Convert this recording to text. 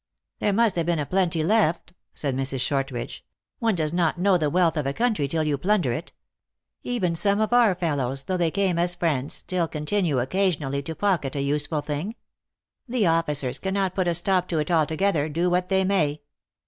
" There must have been a plenty left," said Mrs. Shortridge. "One does not know the wealth of a country till you plunder it. Even some of our fellows, 176 THE ACTRESS IN HIGH LIFE. though they came as friends, still continue occasionally to pocket a useful thing. The officers cannot put a stop to it altogether, do what they may."